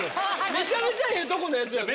めちゃめちゃええとこのやつやったな。